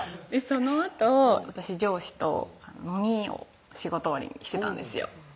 そのあと私上司と飲みを仕事終わりにしてたんですよ